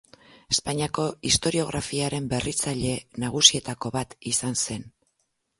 Espainiako historiografiaren berritzaile nagusietako bat izan zen.